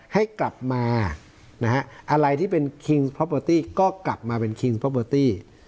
ให้กลับมานะฮะอะไรที่เป็นคิงพอเบอร์ตี้ก็กลับมาเป็นคิงพอเบอร์ตี้